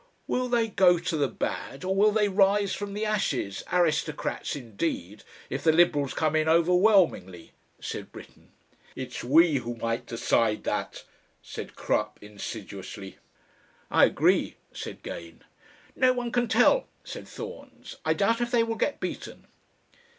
"Will they go to the bad, or will they rise from the ashes, aristocrats indeed if the Liberals come in overwhelmingly?" said Britten. "It's we who might decide that," said Crupp, insidiously. "I agree," said Gane. "No one can tell," said Thorns. "I doubt if they will get beaten."